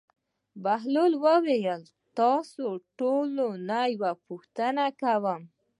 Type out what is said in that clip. بهلول وویل: تاسو ټولو نه یوه پوښتنه کوم.